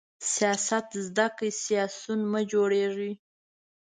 سیاست زده کړئ، سیاسیون مه جوړیږئ!